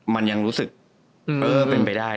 มันยังรู้สึกเจริญไปโอเค